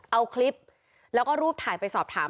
เอาคลิปแล้วก็รูปถ่ายไปสอบถาม